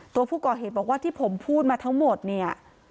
ตัวผู้ก่อเหตุบอกว่าที่ผมพูดมาทั้งหมดเนี่ย